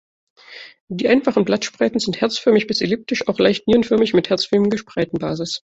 Die einfachen Blattspreiten sind herzförmig bis elliptisch, auch leicht nierenförmig mit herzförmiger Spreitenbasis.